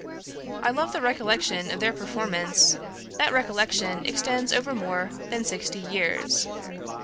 I love the recollection of their performance; that recollection extends over more than sixty years.